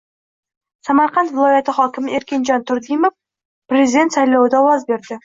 Samarqand viloyati hokimi Erkinjon Turdimov prezident saylovida ovoz berdi